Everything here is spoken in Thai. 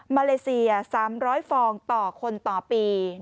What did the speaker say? เลเซีย๓๐๐ฟองต่อคนต่อปี